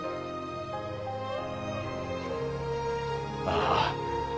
「ああ。